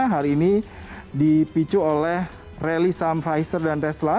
hari ini dipicu oleh rally sam pfizer dan tesla